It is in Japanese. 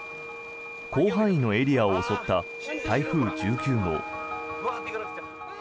広範囲のエリアを襲った台風１９号。